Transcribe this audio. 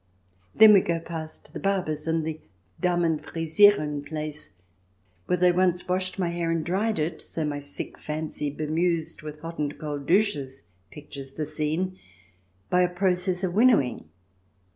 Then we go past the barber's and the Damen Frisiren place, where they once washed my hair and dried it — so my sick fancy, bemused with hot and cold douches, pictures the scene — by a process of winnowing.